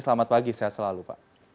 selamat pagi sehat selalu pak